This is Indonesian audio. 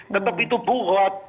tetap itu bukot